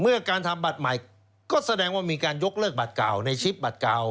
เมื่อการทำบัตรใหม่ก็แสดงว่ามีการยกเลิกบัตรเก่าในชิปบัตรเก่า